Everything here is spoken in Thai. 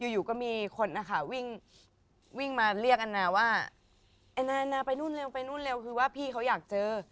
อยู่ก็มีคนนะคะวิ่งวิ่งมาเรียกแอนนาว่าแอนนานาไปนู่นเร็วไปนู่นเร็วคือว่าพี่เขาอยากเจอ